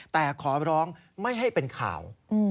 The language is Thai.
แต่ขอร้องไม่ให้เป็นข่าว